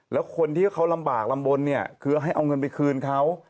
แล้วคนที่เขาลำบากลำบลเนี่ยคือให้เอาเงินไปคืนเขา